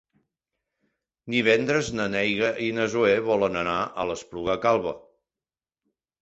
Divendres na Neida i na Zoè volen anar a l'Espluga Calba.